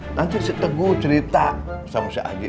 nanti si teguh cerita sama si aji